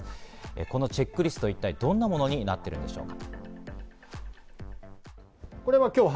このチェックリスト、どのようなものになっているのでしょうか。